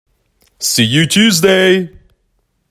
See you Tuesday!